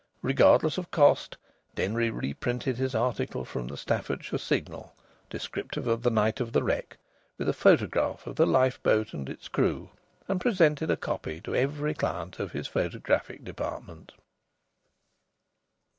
Regardless of cost, Denry reprinted his article from the Staffordshire Signal descriptive of the night of the wreck, with a photograph of the lifeboat and its crew, and presented a copy to every client of his photographic department.